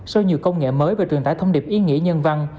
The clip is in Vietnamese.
sau nhiều công nghệ mới và truyền tải thông điệp ý nghĩa nhân văn